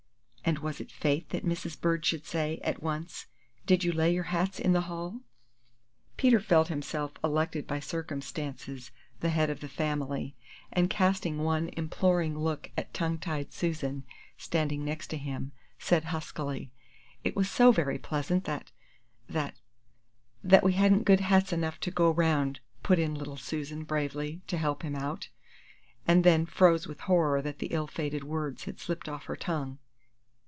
and was it Fate that Mrs. Bird should say, at once, "Did you lay your hats in the hall?" Peter felt himself elected by circumstance the head of the family, and, casting one imploring look at tongue tied Susan, standing next him, said huskily, "It was so very pleasant that that" "That we hadn't good hats enough to go round," put in little Susan, bravely, to help him out, and then froze with horror that the ill fated words had slipped off her tongue.